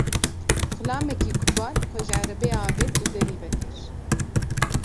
Xulamekî kubar xwe ji erebê avêt û derî vekir.